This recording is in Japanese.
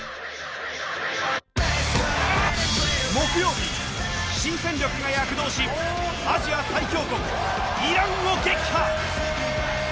木曜日、新戦力が躍動しアジア最強国、イランを撃破。